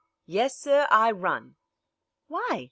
"Yes, sir; I run." "Why?"